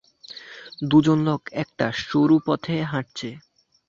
দুজন লোক একটা সরু পথে হাঁটছে।